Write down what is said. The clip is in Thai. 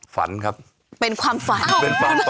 ฝันครับเป็นความฝัน